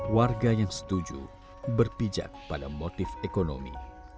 warga yang setuju berpijak pada motif ekonomi